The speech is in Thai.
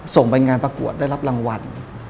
ส่งไปงานประกวดได้รับรางวัล